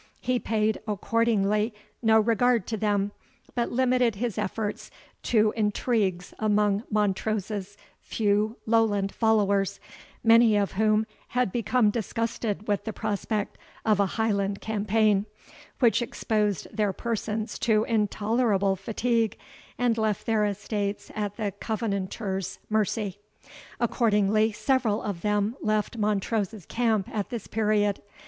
He paid, accordingly, no regard to them, but limited his efforts to intrigues among Montrose's few Lowland followers, many of whom had become disgusted with the prospect of a Highland campaign, which exposed their persons to intolerable fatigue, and left their estates at the Covenanters' mercy. Accordingly, several of them left Montrose's camp at this period.